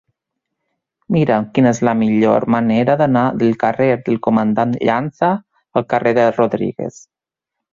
Mira'm quina és la millor manera d'anar del carrer del Comandant Llança al carrer de Rodríguez.